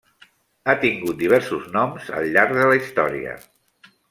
Ha tingut diversos noms al llarg de la història.